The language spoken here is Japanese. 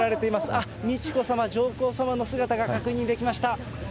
ああ、美智子さま、上皇さまの姿が確認できました。